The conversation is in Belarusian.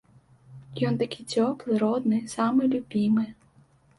Ён такі цёплы, родны, самы любімы.